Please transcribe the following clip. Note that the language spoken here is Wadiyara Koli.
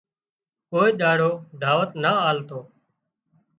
ڪوئي ۮاڙو دعوت نا آلتو